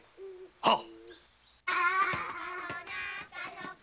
はっ！